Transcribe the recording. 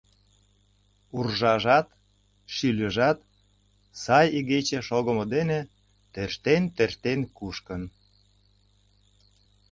Уржажат, шӱльыжат сай игече шогымо дене тӧрштен-тӧрштен кушкын.